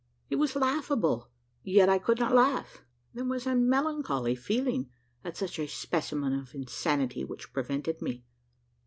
It was laughable; yet I could not laugh: there was a melancholy feeling at such a specimen of insanity which prevented me.